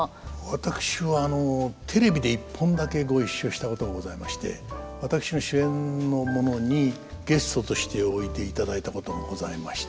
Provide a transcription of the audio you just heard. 私はテレビで一本だけご一緒したことがございまして私の主演のものにゲストとしておいでいただいたことがございまして。